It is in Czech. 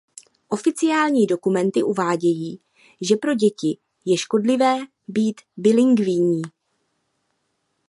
Oficiální dokumenty uvádějí, že pro děti je škodlivé být bilingvní.